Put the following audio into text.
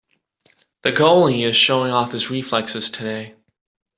The goalie is showing off his reflexes today.